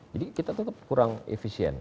jadi kita tetap kurang efisien